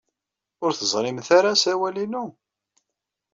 Ur teẓrimt ara asawal-inu?